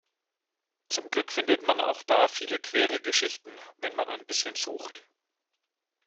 Zum Glück findet man auch da viele queere Geschichten, wenn man ein bisschen sucht.